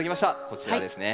こちらですね。